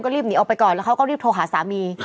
รีบหนีออกไปก่อนแล้วเขาก็รีบโทรหาสามี